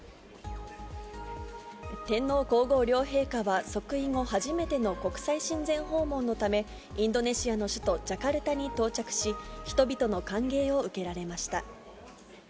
天皇皇后両陛下は、即位後初めての国際親善訪問のため、インドネシアの首都ジャカルタに到着し、人々の歓迎を受けられました。